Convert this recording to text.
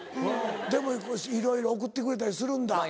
でもいろいろ送ってくれたりするんだ。